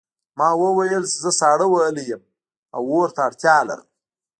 ما وویل زه ساړه وهلی یم او اور ته اړتیا لرم